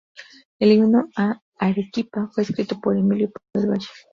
El Himno a Arequipa fue escrito por Emilio Pardo del Valle.